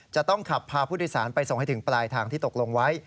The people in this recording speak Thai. จะต้องขับพาผู้โดยสารไปส่งให้ถึงปลายทางที่ตกลงไว้